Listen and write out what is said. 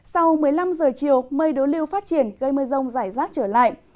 sau một mươi năm h chiều mây đối lưu phát triển gây mưa rông giải rác trở lại